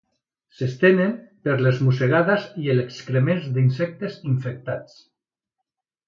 S'estenen per les mossegades i els excrements d'insectes infectats.